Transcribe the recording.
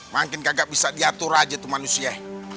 makin gagap bisa diatur aja tuh manusia